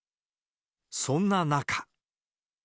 そんな中。